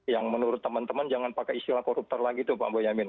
yang menurut teman teman jangan pakai istilah koruptor lagi tuh pak bonyamin